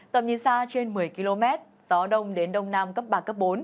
tầm nhìn xa trên một mươi km gió đông đến đông nam cấp ba cấp bốn